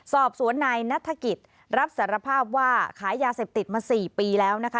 สอบสวนนายนัฐกิจรับสารภาพว่าขายยาเสพติดมา๔ปีแล้วนะคะ